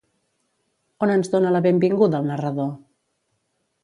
On ens dona la benvinguda el narrador?